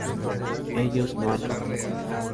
ellos no han partido